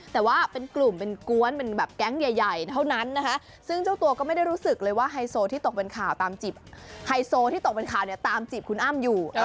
แต่ว่าเป็นกรุ่มเป็นกว้นแก๊งใหญ่เท่านั้นซึ่งเจ้าตัวไม่รู้สึกเลยว่าไฮโซที่ตกเป็นข่าวตามจีบคุณอ้ำอยู่